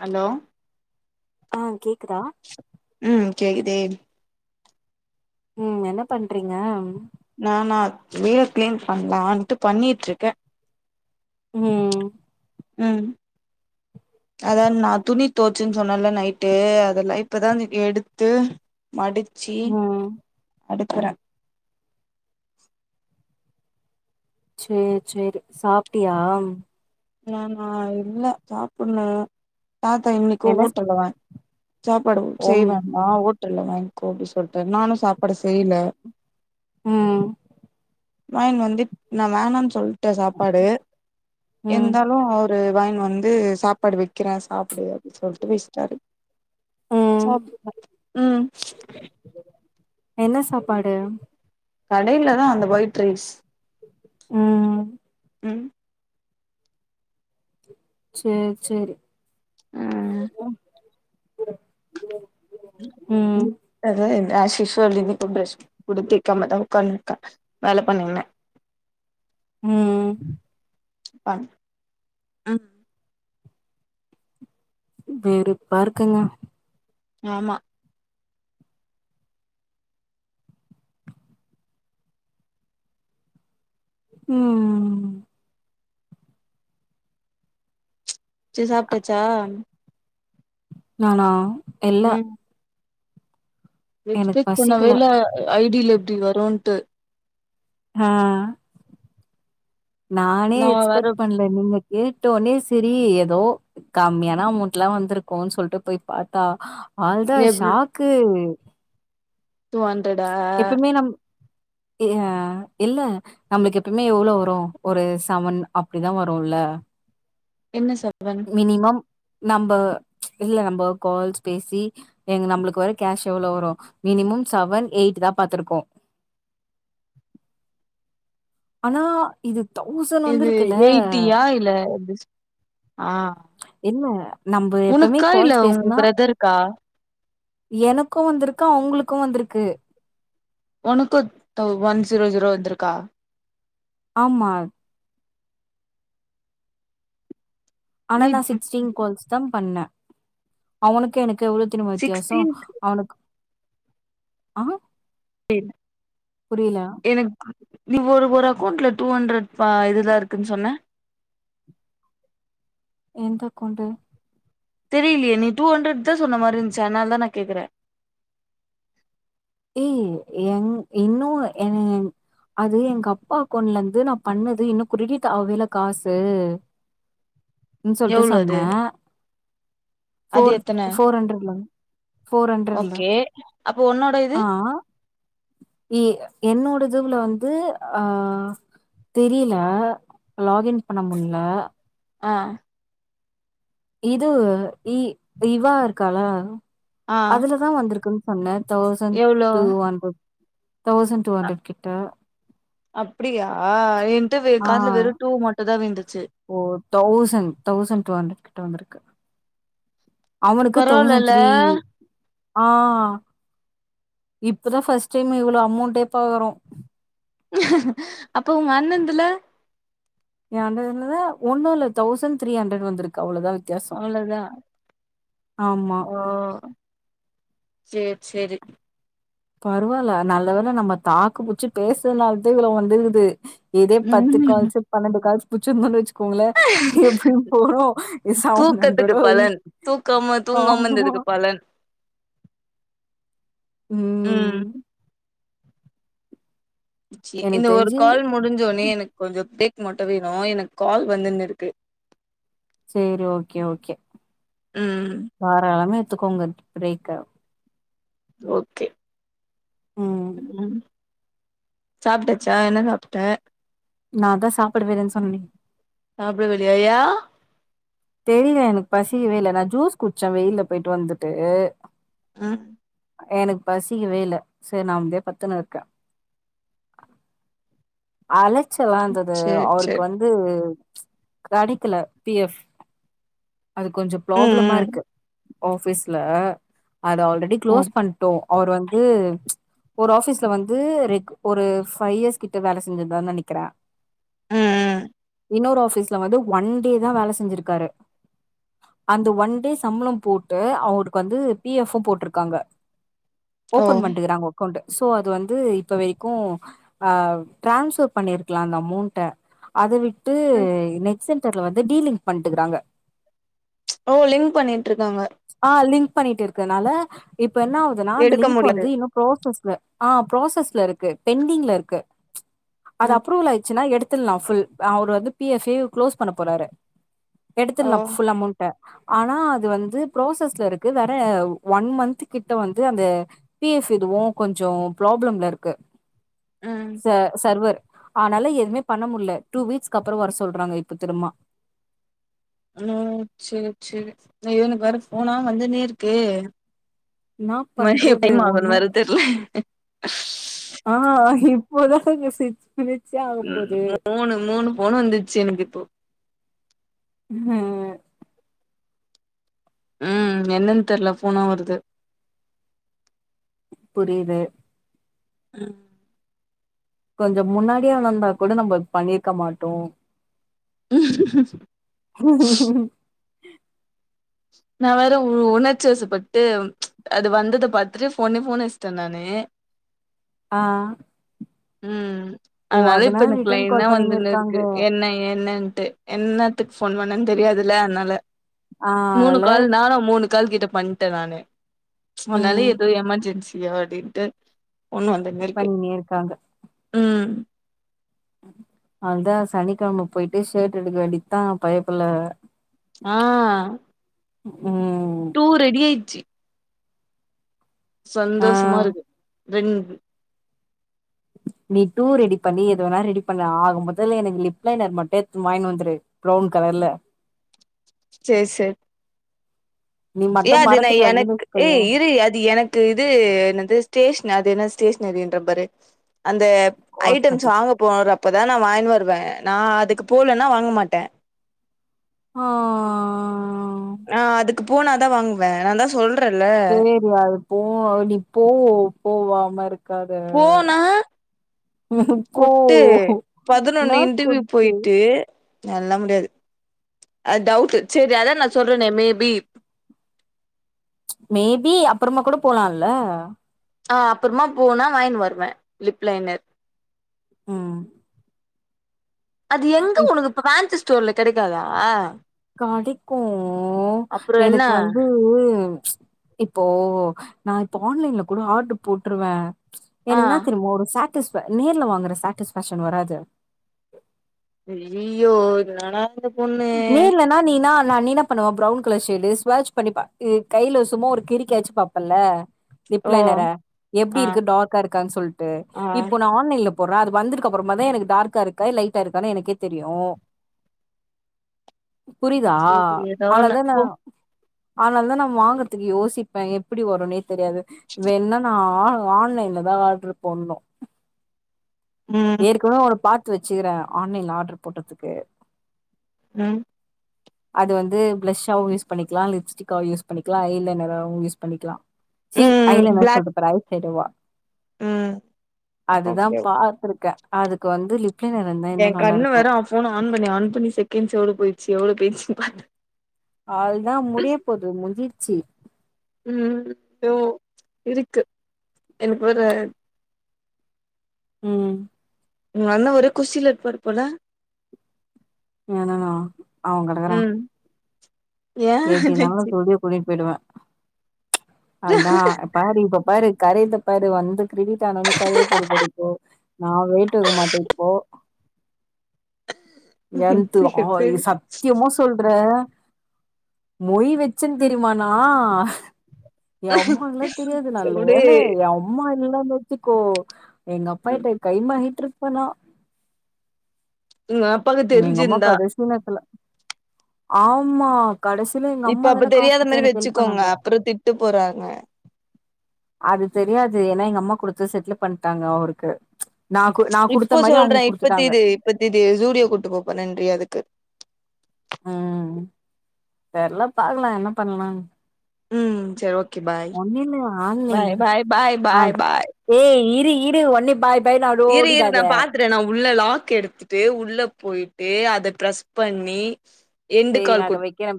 hello ஆ கேக்குதா ம் கேக்குதே ம் என்ன பண்றீங்க நானா வீட கிளீன் பண்லான்ட்டு பண்ணிட்ருக்கே ம் ம் அதான் நான் துணி தோச்சேன்னு சொன்னேல நைட்டு அதெல்லா இப்பதா எடுத்து மடிச்சி ம் அடுக்குறே சேரி சேரி சாப்ட்டியா நானா இல்ல சாப்புட்ணு தாத்தா இன்னிக்கு என்ன ஸ் ஓட்டல வாங் சாப்பாடு ஒம் செய்வேன்டா ஓட்டல்ல வாங்கிக்கோ அப்டி சொல்ட்டார் நானு சாப்பாடு செய்ல அ வாங்கின் வந்து நா வேணான்னு சொல்ட்டே சாப்பாடு ம் இருந்தாலு அவரு வாங்கின் வந்து சாப்பாடு வைக்கிறே சாப்டு அப்டி சொல்ட்டு வச்ட்டாரு ம் சாப்டுங்க ம் என்ன சாப்பாடு கடையில தா அந்த வொயிட் ரைஸ் ஆ ம் சேரி சேரி ம் ம் ம் ஆஸ் ஷீஷ்வல் இன்னிக்கு ப்ரஷ் கூட தேக்காம தா உக்காந்துருக்கா வேல பண்ணீங்கே ம் ப வெறுப்பா இருக்குங்க ஆமா ம் சேர் சாப்ட்டாச்சா நானா இல்ல ம் எனக்கு எக்ஸ்பெக்ட் பசிக்கல பண்ணவேல்ல ஐ டி ல இப்டி வருன்ட்டு அ நானே நா வேற எக்ஸ்பெக்ட் பண்ல நீங்க கேட்டோனே செரி எதோ கம்மியான அமௌண்ட்லா வந்துருக்கு சொல்ட்டு போய் பாத்தா அவ்ளோ தா எவ்ளோ ஷாக்கு டு ஹண்ட்ரட்டா எப்போமே நம் அ இல்ல நம்ளுக்கு எப்பவுமே எவ்ளோ வரு ஒரு சவன் அப்டிதா வரு இல்ல என்ன செவ்வன் மினிமம் நம்ப இல்ல நம்ப கால்ஸ் பேசி ஏங்க நம்மளுக்கு வர கேஷ் எவ்ளோ வரு மினிமம் செவன் எயிட் தா பாத்துருக்கோ ஆனா இது தொவ்சன் இது எயிட்டியா இல்ல அ இல்ல நம்ப எப்போமே கால்ஸ் உங்க பேசுனா பிரதருக்கா எனக்கு வந்துருக்கு அவுங்களுக்கு வந்துருக்கு ஒனக்கு ஒன் ஜீரோ ஜீரோ வந்திருக்கா ஆம்மா ஆனா நீ நா சிக்ஸ்டீன் கால்ஸ் தா பண்ணே அவுனுக்கு எனக்கு எவ்ளோ வெக்கனு வித்தியாசொ சிக்ஸ்டீன்த் அவனுக்கு [unintelligible] புரியல எனக்கு நீ ஒரு ஒரு அக்கௌண்ட்ல டூ ஹண்ட்ரட் பா இதுதா இருக்குன் சொன்ன எந்த அக்கெளண்ட்டு தெரியலயே நீ டூ ஹண்ட்ரட் தா சொன்ன மாரி இருந்ச்சி அதனால தா நா கேக்குறே ஏய் என் இன்னோன் என் அது எங்க அப்பா அக்கெளவுண்ட்ல இருந்து நா பண்ணது இன்னு குறிகிட்டு ஆவ்லல காசு ன் சொல்ட்டு எவ்ளோ அது சொன்னே அது ஃபோர் எத்தன ஃபோர் ஹண்ட்ரட்ல ஃபோர் ஹண்ட்ரட்ல அப்ப ஒன்னோட் ஆ எ என்னோட இதுவுல வந்து ஆ தெரியில லாக்இன் பண்ண முட்ல ஆ இதுவு ஏ இவா இருக்காளா ஆ அதலதா வந்திருக்குன் சொன்னே தௌசண்ட் எவ்ளோ two hundred thousand two hundred கிட்ட அப்டியா எ கிட்ட ஆ காதுல வெறும் டூ மட்டும் தான் விழ்ந்துச்சி ஓ தௌசண்ட் தௌசண்ட் டூ ஹண்ட்ரட் கிட்ட வந்திருக்கு அவனுக்கு தௌசண்ட் பரவால்லல த்ரீ ஆ இப்பதா ஃபஸ்ட் டைம் இவ்வளோ அமௌண்டே பாக்கறோ அப்ப உங்க அண்ணண்துல எ அண்ணதுல ஒன்னுல தௌசன் த்ரீ ஹண்ட்ரட் வந்துருக்கு அவ்வளோதா அவ்ளோதா ஆமா ஓ சேர் சேரி பரவால்ல நல்ல வேள நம்ம தாக்கு புச்சி பேசுறதுனாலதா இவ்ளோ வந்துக்குது இதே பத்து ம் கால்ஸூ பன்னெண்டு கால்ஸ் புச்சிருந்தோம் வச் சுக்கோங்களே எப்டி போறோ சவண் தூக்கத்துக்கு ஹண்ரடோ பலன் தூக்காம தூங்காம இந்ததுக்கு பலன் ம் ம் ச்சி எனக்கு இந்த ஒரு தெரிஞ்சு கால் முடிஞ்சோன்னே எனக்கு கொஞ்சொ பிரேக் மட்டு வேணு எனக்கு கால் வந்துன்னு இருக்கு சேரி ஓகே ஓகே ம் தாராளாம எத்துக்கோங்க பிரேக்க ஓகே ம் ம் சாப்ட்டச்சா என்ன சாப்ட்ட நாந்தா சாப்படவே இல்லனு சொன்னனே சாப்புடவில்லையா யா தெரில எனக்கு பசிக்கவே இல்ல நா ஜூஸ் குடிச்சே வெயில்ல போயிட்டு வந்துட்டு ஆ எனக் பசிக்கவே இல்ல சரி நா அமிதியா பத்துன்னு இருக்கே அலச்சலாந்துது சேர் அவருக்கு சேர் வந்து கெடைக்கல பி எஃப் அது கொஞ்சோ ப்ராப்ளமா ம் ம் இருக்கு ஆஃபீஸ்ல அத ஆல்ரெடி க்ளோஸ் ம் பண் ட்டோ அவர் வந்து ஒரு ஆஃபீஸ்ல வந்து ரெகு ஒரு ஃபைவ் இயர்ஸ் கிட்ட வேல செஞ்சிந்தார்னு நெனைக்குற ம் ம் இன்னொரு ஆஃபீஸ்ல வந்து ஒன் டே தா வேல செஞ்சிருக்காரு அந்த ஒன் டே சம்பளம் போட்டு அவருக்கு வந்து பி எஃப்பு போட்டுருக்காங்க ஓ ஓபன் பண்ட்டுக்றாங்க அக்கௌண்ட் சோ அது வந்து இப்ப வரைக்கு ஆ ட்ரான்ஸ்வர் பண்ணிருக்கலா அந்த அமௌண்ட அத விட்டு நெட் சென்டர்ல வந்து டீலிங் பண்ட்டுக்குறாங்க ஓ லிங்க் பண்ணிட்டுருக்காங்க ஆ லிங்க் பண்ணிட்டு இருக்கதுனால இப்ப என்ன ஆவுதுன்னா அந்த எடுக்க லிங்க் முடியாது வந்து இன்னு ப்ராசஸ்ல ஆ ப்ராசஸ்ல இருக்கு பெண்டிங்ல இருக்கு அது ம் அப்ரூவல் ஆயிச்சுன்னா எடுத் துர்லா ஃபுல் அவர் வந்து பி எஃப் பே க்ளோஸ் பண்ண போறாரு ஓ எடுத்துர்லா ஃபுல் அமௌண்ட்ட ஆனா அது வந்து புராசஸ்ல இருக்கு வேற ஒன் மந்த் கிட்ட வந்து அந்த பி எஃப் இதுவு கொஞ்சொ ப்ராப்ளம்ல இருக்கு ம் ச சர்வர் ஆனால எதுவுமே பண்ண முட்ல டூ வீக்ஸ்க்கப்றோ வர சொல்றாங்க இப்ப திரும்மா ம் செரி செரி ந்த இவ்னுக்கு வேற ஃபோனா வந்துன்னே இருக்கே என்னா பண்றது [unintelligible] ஒண்ணு வேற தெர்ல ஆ இப்போதா மெசேஜ் ம் மூணு மூணு ஃபோனு வந்துச்சு எனக்கு இப்போ ம் ம் என்னன் தெர்ல ஃபோனா வருது புரிது ம் கொஞ்சோ முன்னாடியே வந்தா கூட நம்ப பண்ணிருக்க மாட்டோ உ உ நா வேற உ உணர்ச்சி வசப்பட்டு அது வந்தது பாத்துட்டு ஒன்னே ஃபோன் அச்ட்டே நானு ஆ ம் ஓ அதனால இப்ப எனக்கு ரிட்டர்ன் லைன்னா கால் பண்ணினு இருக்காங்க வந்துன்னுருக்கு என்ன என்னன்ட்டு என்னத்துக்கு ஃபோன் பண்ணன் தெரியாதுல்ல அதனால ஆ மூணு அதனால கால் நானு மூணு கால் கிட்ட பண்ட்டே நானு முன்னால ம் எதோ எமர்ஜென்சி விளயாடிட்டு பொண்ணு வந்துன்னே இர்க்கு பண்ணினே இருக்காங்க அதா சனிக்கெழம போயிட்டு ஷர்ட் எடுக்க வேண்டிதா பையப்புல்ல ம் டூ ரெடி ஆய்ச்சு ஆ சந்தோஷமா இருக்கு என்க்கு நீ டூ ரெடி பண்ணு எத வேணா ரெடி பண்ணு ஆக மொத்தத்ல எனக்கு லிப் லைனர் மட்டும் வாயின் வந்துரு பிரவுன் கலர்ல செர் செர் நீ ஏ மட்டு அது நா மறந்துட்டு வந்தன்னு எனக்கு வச்சுக்கோயே ஏய் இரு அது எனக் இது என்னது ஸ்டேஷன் அது என்ன ஸ்டேஷனரின்ற பாரு அந்த ஐட்டம்ஸ் காஸ்மெட்டிக் வாங்க போறப்பதா நா வாயின் வருவ நா அதுக்கு போலன்னா வாங்க மாட்ட ஆ நா அதுக்கு போன தா வாங்குவ நான் தா சொல் சேரி அது போ நீ போவோ போவாம இருக் காத போனா கொட்டு பதினொன்னு என்னா இன்டர்வியூ கொத்து போயிட்டு அ டவுட்டு செரி அதா நா சொல்றனே மே பி மே பி அப்றமா கூட போலாம்ல ஆ அப்றமா போனா வாயின் வருவ லிப் லைனர் ம் அது எங்க உனக்கு ஃபேன்சி ஸ்டோர்ல கெடைக்காதா கடைக்கும் அப்புறம் என்ன எனக்கு வந்து இப்போ நா இப்ப ஆன்லைன்ல கூட ஆட்ரு போட்ருவ எனக்கு ஆ இன்னா தெரியுமா ஒரு சாட் டிஸ்ஃபை நேர்ல வாங்குற சாட்டிஸ்ஃபேக்ஷன் வராது அய்யய்யோ இது இன்னாடா இது நீ இல்ல நா நீனா நா நீ இன்னா பண்ணுவ ப்ரவுன் கலர் ஷேடு ஸ்வாட்ச் பண்ணி பா கைல சும்மா ஒரு கிருக்கி ஆச்சு பாப்பல்ல லிப் ஓ லைனர எப்டி ஆ இருக்கு டார்கா இருக்கான் சொல்ட்டு ஆ இப்போ நா ஆன்லைன்ல போர்றோ அது வந்ததுக்கு அப்றமா தா எனக்கு டார்க்கா இருக்கா லைட்டா இருக்கான்னு எனக்கே தெரியும் புரிதா சேரி ஏதோ அன்னால் ஒன்னு தா நா போ அன்னல் தா நா வாங்கற்துக்கு யோசிப்ப எப்டி வரும்னே தெரியாது வேண்ணா நா ஆன்லைன்ல தா ஆட்ரு போன்னோ ம் எடுத்து வச்சுக்கிற ஆன்லைன்ல ஆட்ரு போட்டற்துக்கு ம் அது வந்து பிளஷாவும் யூஸ் பண்ணிக்லா லிப்ஸ்டிக்காவு யூஸ் பண்ணிக்லா அய்லைனராவும் யூஸ் பண்ணிக்லா சி ம் அய்லைனர் சொல்ற பிளாக் பாரு ஐ ஷேடோவா ம் அதுதா ஓகே பாத்திருக்க அதுக்கு வந்து லிப் லைனர் இருந்தா இன்னு என் நல்லா கண்ணு இருக்கு வேற ஆ ஃபோன்ன ஆன் பண்ணி ஆன் பண்ணி செகண்ட்ஸ் எவ்ளோ போய்ச்சு எவ்ளோ போய்ச்சுன் பாத் அவ்ள் தா முடிய போது முஞ்சீச்சி ம் போ இருக்கு எனக்கு ஒரு ம் உன் அண்ண ஒரே குஷில இருப்பாரு போல என் அண்ணனா அவன் கெடக்கறா ம் ஏ எப்டினாலும் என்னாச்சு கூடியே கூட்டிட் போய்டுவ அவ்ள் தான பாரு இப்ப பாரு உக்காரத்த பாரு வந்து கிரெடிட் ஆன ஒன்னே கரிய போது பாரு இப்போ எந்த்து அ சேரி சேரி சத்தியமோஸ் சொல்ற மொய் வச்சுன் ம் தெரியுமானா என் அமாங்களா தெரியாது நல்ல அப்டே வேல எ அம் அம்மா எல்லாம வச்சுக்கோ எங்கப்பாட்ட கைமாகிட்ருப்பனா [unintelligible] எங்க அம்மா தெரிஞ்சிருந்தா கடைசி நேத்துல ஆமா கடைசியில எங்க இப்ப அம்மா அப்ப தானா காசு தெரியாத குடுத்து மாரி எனக்கு ஹெல்ப் வச்சுக்கோங்க பண்ணாங்க அப்றோ திட்டு போறாங்க அது தெரியாது ஏன்னா எங்கம்மா குடுத்து செட்டில் பண்ட்டாங்க அவருக்கு ந கு நா குடுத்த மாரி அவங்க குடுத்துட்டாங்க பத்திட்டு ஜூடியோ கூட்டு போப்பண்றியே அதுக்கு ம் தெரில பாக்கலா என்ன பண்ணலா ம் சரி ஓகே பாய் ஒன்னில்ல ஆன்லைன்ல பாய் பாய் பாய் ஆ பாய் பாய் ஏ இரு இடு ஒன்னி பாய் பாய்னு அப்டி இரு இரு நா ஓடிடாத பாத் த்துட்டே நா உள்ள லாக் எடுத்துட்டு உள்ள போயிட்டு அத ப்ரஸ் பண்ணி எண்டு சேரி நா கால் கு அத வைக்கிறே